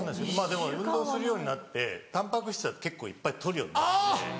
でも運動するようになってタンパク質は結構いっぱい取るようになって。